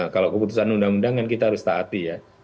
kalau keputusan undang undang kan kita harus taati ya